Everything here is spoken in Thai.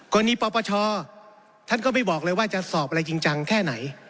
กรณีปปชท่านก็ไม่บอกเลยว่าจะสอบอะไรจริงจังแค่ไหน